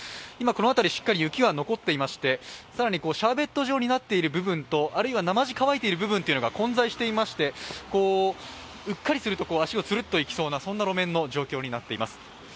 今、この辺りしっかり雪が残っていまして更にシャーベット状になっている部分と、なまじ乾いている部分が混在していまして、うっかりすると足をツルッといきそうなそんな路面の状況になっています。